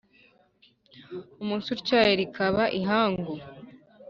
Umunsi utyaye rikaba ihangu